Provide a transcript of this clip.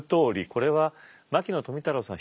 これは牧野富太郎さん